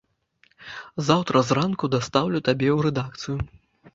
Заўтра зранку дастаўлю табе ў рэдакцыю.